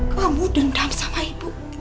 kamu dendam sama ibu